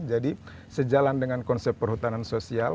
jadi sejalan dengan konsep perhutanan sosial